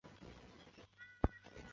后两种是正常的方式。